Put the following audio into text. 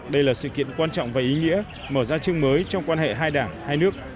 đây là sự kiện quan trọng và ý nghĩa mở ra chương mới trong quan hệ hai đảng hai nước